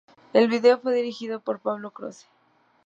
El vídeo fue dirigido por Pablo Croce.